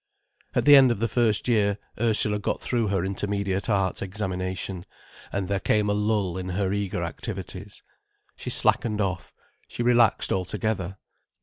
At the end of the first year Ursula got through her Intermediate Arts examination, and there came a lull in her eager activities. She slackened off, she relaxed altogether.